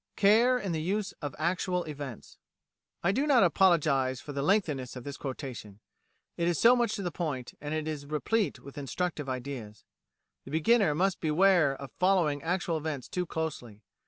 Care in the Use of Actual Events I do not apologise for the lengthiness of this quotation it is so much to the point, and is replete with instructive ideas. The beginner must beware of following actual events too closely.